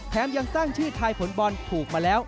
ยังตั้งชื่อทายผลบอลถูกมาแล้ว